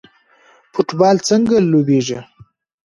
فوټبال څنګه لوبیږي؟